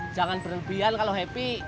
jangan berubian kalau happy